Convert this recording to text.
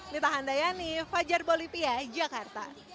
nita handayani fajar bolivia jakarta